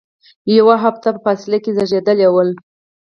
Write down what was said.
یوې هفتې په فاصله کې زیږیدلي ول.